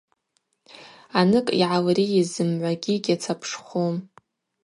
Аныкӏ йгӏалрийыз зымгӏвагьи гьацапшхум.